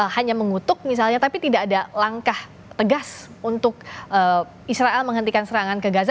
hanya mengutuk misalnya tapi tidak ada langkah tegas untuk israel menghentikan serangan ke gaza